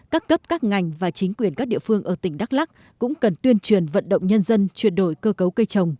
các cấp các ngành và chính quyền các địa phương ở tỉnh đắk lắc cũng cần tuyên truyền vận động nhân dân chuyển đổi cơ cấu cây trồng